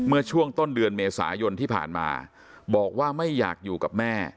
เมื่อช่วงต้นเดือนเมษายนที่ผ่านมาบอกว่าไม่อยากอยู่กับแม่